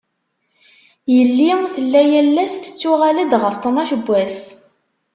Yelli tella yal ass tettuɣal-d ɣef ṭnac n wass.